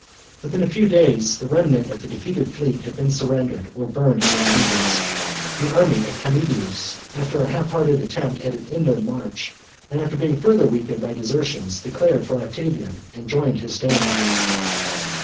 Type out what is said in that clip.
Within a few days the remnant of the defeated fleet had been surrendered or burned at its anchors. The army of Canidius, after a half hearted attempt at an inland march, and after being further weakened by desertions, declared for Octavian, and joined his standards.